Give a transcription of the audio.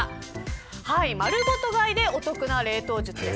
丸ごと買いでお得な冷凍術です。